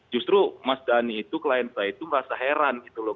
justru mas dhani itu klien saya itu merasa heran gitu loh